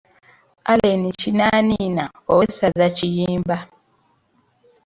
Aleni Kinaaniina, Owessaza Kiyimba.